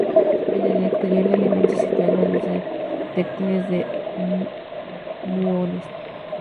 En el exterior del imán se sitúan grandes detectores de muones.